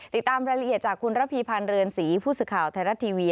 ติดตามรายละเอียดจากพพันเรือนศรีพสุข่าวไทยรัฐทีวี